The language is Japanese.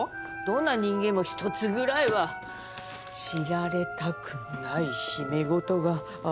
どんな人間も一つぐらいは知られたくない秘め事があるものでしょ。